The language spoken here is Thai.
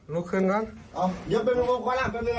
ลุกขึ้นมา